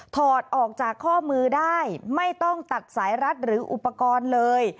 ถอดออกจากข้อมือได้ไม่ต้องตัดสายรัดหรืออุปกรณ์เลย